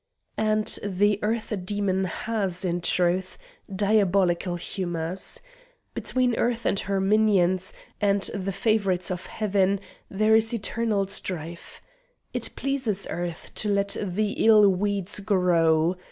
And the Earth demon has, in truth, diabolical humours. Between Earth and her minions, and the favourites of Heaven, there is eternal strife. It pleases Earth to let the ill weeds grow.